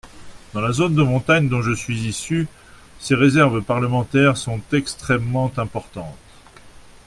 Dans la zone de montagne dont je suis issu, ces réserves parlementaires sont extrêmement importantes.